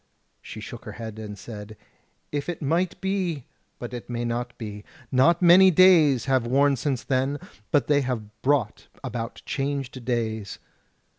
She shook her head and said: "If it might be! but it may not be. Not many days have worn since then; but they have brought about changed days."